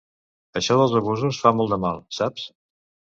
Això dels abusos fa molt de mal, saps?